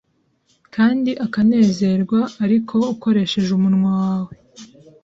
kandi akanezerwa ariko ukoresheje umunwa wawe